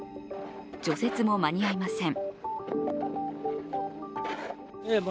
除雪も間に合いません。